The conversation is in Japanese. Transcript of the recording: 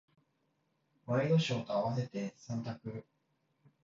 ワイドショーと合わせて三択。